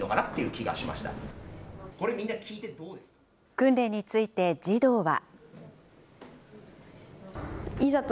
訓練について児童は。